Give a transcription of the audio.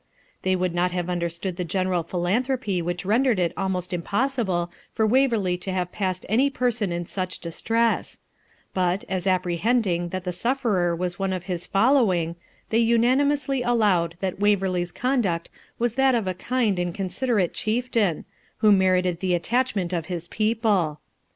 They would not have understood the general philanthropy which rendered it almost impossible for Waverley to have passed any person in such distress; but, as apprehending that the sufferer was one of his following they unanimously allowed that Waverley's conduct was that of a kind and considerate chieftain, who merited the attachment of his people.